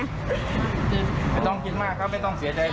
ไม่ต้องกินมากครับไม่ต้องเสียใจ